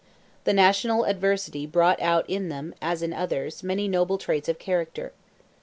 The national adversity brought out in them, as in others, many noble traits of character.